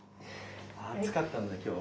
暑かったんだ今日。